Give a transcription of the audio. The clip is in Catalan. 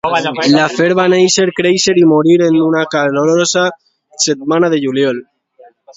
L'afer va néixer, créixer i morir en una calorosa setmana de juliol.